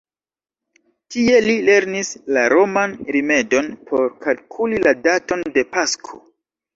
Tie li lernis la roman rimedon por kalkuli la daton de Pasko.